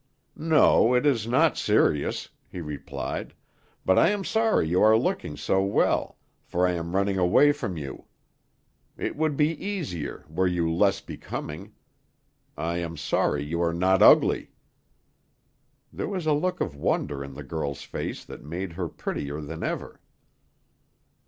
"No, it is not serious," he replied; "but I am sorry you are looking so well, for I am running away from you. It would be easier, were you less becoming. I am sorry you are not ugly." There was a look of wonder in the girl's face that made her prettier than ever.